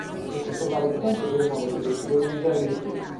Questo intervallo di tempo diede modo ai tedeschi di organizzare le difese.